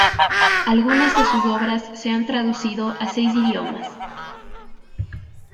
Algunas de sus obras se han traducido a seis idiomas.